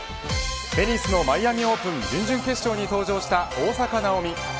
テニスのマイアミオープン準々決勝に登場した大坂なおみ。